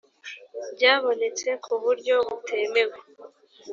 byabonetse ku buryo butemewe